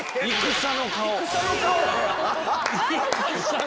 戦の顔！